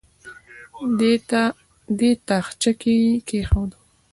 دې تاخچه کې یې کېښود.